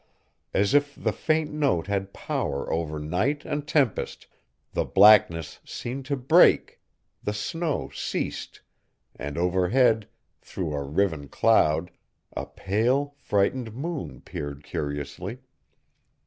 As if the faint note had power over night and tempest, the blackness seemed to break; the snow ceased, and overhead, through a riven cloud, a pale, frightened moon peered curiously.